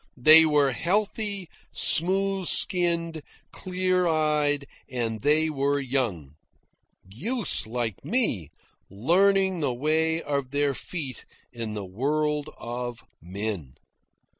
They were healthy, smooth skinned, clear eyed, and they were young youths like me, learning the way of their feet in the world of men.